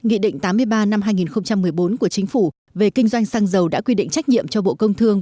nghị định tám mươi ba năm hai nghìn một mươi bốn của chính phủ về kinh doanh xăng dầu đã quy định trách nhiệm cho bộ công thương